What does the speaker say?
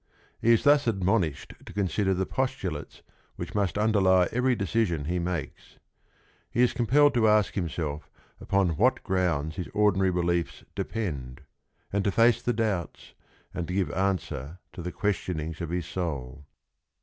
He is thus admonished to consider the postulates which must underlie every decision he makes. He is compelled to ask himself upon what grounds his ordinary beliefs depend, and to face the doubts, and give answer to the questionings of his soul.